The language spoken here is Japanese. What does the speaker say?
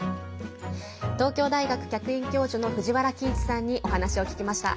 東京大学客員教授の藤原帰一さんにお話を聞きました。